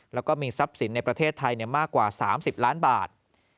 แล้วก็มีทรัพย์สินในประเทศไทยมากกว่า๓๐ล้านบาท